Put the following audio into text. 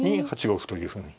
８五歩というふうに。